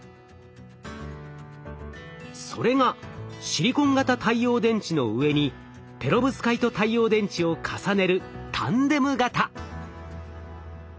それがシリコン型太陽電池の上にペロブスカイト太陽電池を重ねるタンデム型。